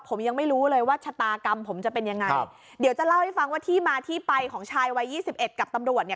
ผมยังไม่รู้เลยว่าชะตากรรมผมจะเป็นยังไงเดี๋ยวจะเล่าให้ฟังว่าที่มาที่ไปของชายวัยยี่สิบเอ็ดกับตำรวจเนี่ย